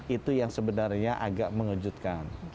itu yang sebenarnya agak mengejutkan